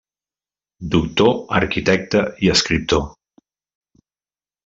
Doctor arquitecte i escriptor.